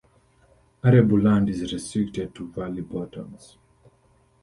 Arable land is restricted to valley bottoms.